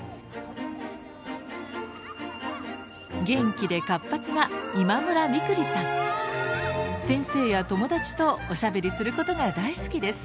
元気で活発な先生や友達とおしゃべりすることが大好きです。